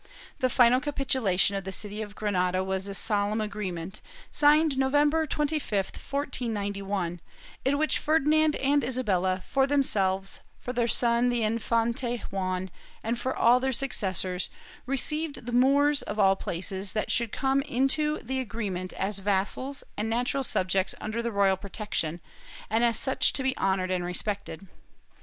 The final capitulation of the city of Granada was a solemn agreement, signed November 25, 1491, in which Ferdinand and Isabella, for themselves, for their son the Infante Juan and for all their successors, received the Moors of all places that should come into the agreement as vassals and natural subjects under the royal protection, and as such to be honored and respected.